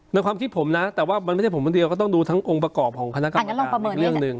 ในความคิดผมนะแต่ว่ามันไม่ใช่ผมคนเดียวก็ต้องดูทั้งองค์ประกอบของคณะกรรมการอีกเรื่องหนึ่ง